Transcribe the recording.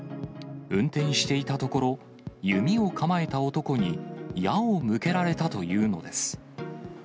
運転していたところ、弓を構えた男に矢を向けられたというのです。